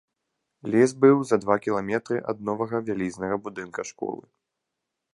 Лес быў за два кіламетры ад новага вялізнага будынка школы.